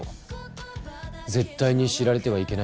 絶対に知られてはいけない秘密。